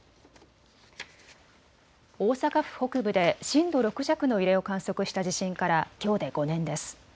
大阪府北部で震度６弱の揺れを観測した地震からきょうで５年です。